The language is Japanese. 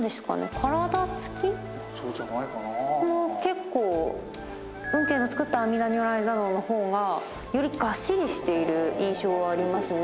体つきも結構運慶の作った阿弥陀如来坐像の方がよりがっしりしている印象はありますね。